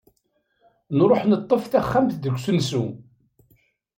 Nruḥ neṭṭef taxxamt deg usensu.